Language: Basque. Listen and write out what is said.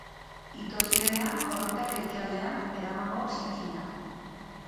Ito zirenean, korronteak ekialderantz eramango zitinan.